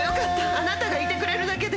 あなたがいてくれるだけで